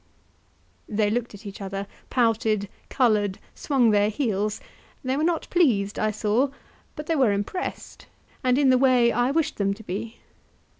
They looked at each other, pouted, coloured, swung their heels; they were not pleased, I saw, but they were impressed, and in the way I wished them to be.